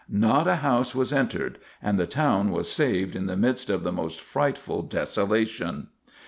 Not a house was entered, and the town was saved in the midst of the most frightful desolation.